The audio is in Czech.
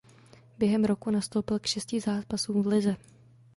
Během roku nastoupil k šesti zápasům v lize.